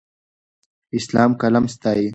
اسلام قلم ستایي.